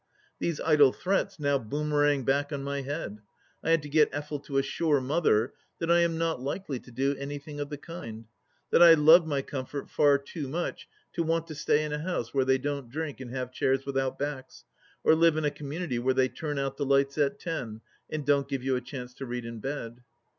These idle threats now boomerang back on my head. I had to get Effel to assure Mother that I am not likely to do anything of the kind ; that I love my comfort far too much to want to stay in a house where they don't drink and have chairs without backs, or live in a community where they turn out the lights at ten and don't give you a chance to read in bed.